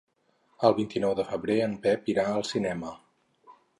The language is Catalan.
El vint-i-nou de febrer en Pep irà al cinema.